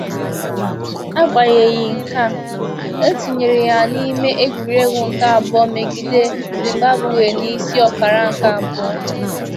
Agbanyeghị nkaa, etinyere ya n'ime egwuregwu nke abụọ megide Zimbabwe n'isi ọkara nke abụọ.